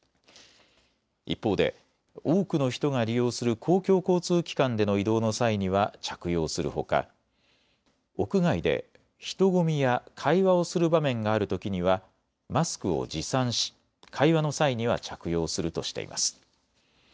一方で多くの人が利用する公共交通機関での移動の際には着用するほか、屋外で人混みや会話をする場面があるときにはマスクを持参し会話の際には着用するとしています。